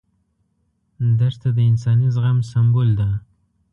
دښته د انساني زغم سمبول ده.